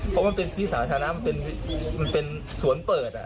เพราะมันเป็นที่สาธารณะมันเป็นสวนเปิด